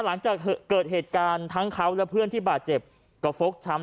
หลังจากเกิดเหตุการณ์ทั้งเขาและเพื่อนที่บาดเจ็บก็ฟกช้ำ